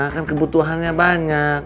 kan kebutuhannya banyak